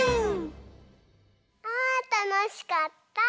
あたのしかった！